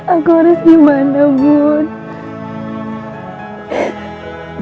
aku harus dimana bund